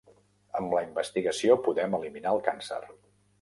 Amb la investigació podem eliminar el càncer.